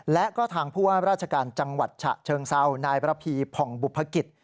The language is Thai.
และก็ทางผู้ว่าราชการจังหวัดฉะเชิงเซานายประพีผ่องบุภกิจ